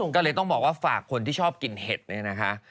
ก็เลยต้องบอกว่าฝากคนที่ชอบกินเห็ดเนี่ยนะคะ